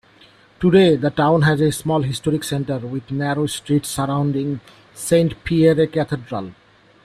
Today, the town has a small historic center with narrow streets surrounding Saint-Pierre cathedral.